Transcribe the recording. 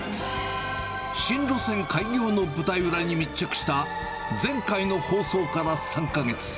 新路線開業の舞台裏に密着した前回の放送から３か月。